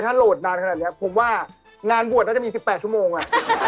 ถ้าโหลดนานขนาดนี้ผมว่างานบวชน่าจะมี๑๘ชั่วโมง